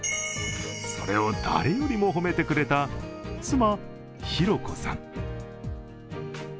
それを誰よりも褒めてくれた妻・裕子さん。